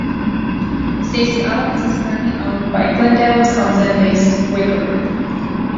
Stacy Adams is currently owned by Glendale, Wisconsin-based Weyco Group.